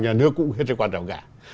nhà nước cũng hết sự quan trọng cả